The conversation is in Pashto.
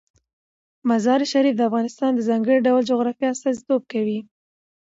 مزارشریف د افغانستان د ځانګړي ډول جغرافیه استازیتوب کوي.